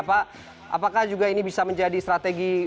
apakah juga ini bisa menjadi strategi